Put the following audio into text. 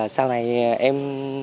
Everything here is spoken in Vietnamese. sau này em